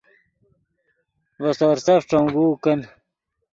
ڤے سورسف ݯونگوؤ کن